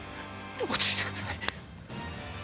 落ち着いてください。